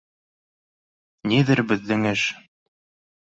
Ниҙер беҙҙең эш